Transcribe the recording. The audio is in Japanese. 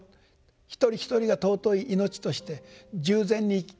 一人一人が尊い命として十全に生きなさい。